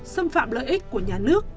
xâm phạm lợi ích của nhà nước